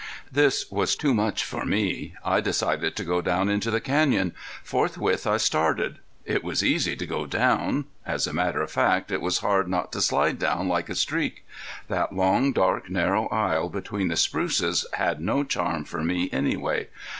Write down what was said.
This was too much for me. I decided to go down into the canyon. Forthwith I started. It was easy to go down! As a matter of fact it was hard not to slide down like a streak. That long, dark, narrow aisle between the spruces had no charm for me anyway.